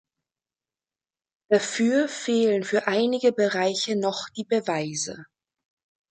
Dafür fehlen für einige Bereiche noch die Beweise.